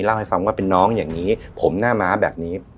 เล่าให้ฟังว่าเป็นน้องอย่างนี้ผมหน้าม้าแบบนี้